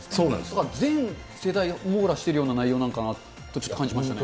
だから全世代を網羅しているような内容なのかなと感じましたね。